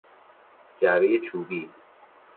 جعبهی چوبی